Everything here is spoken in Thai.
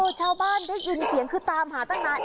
ชาวบ้านได้ยินเสียงคือตามหาตั้งนาน